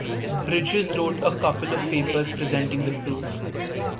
Bridges wrote a couple of papers presenting the proof.